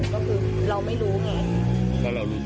ก็คือเราไม่รู้ไง